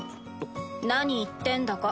何言ってんだか。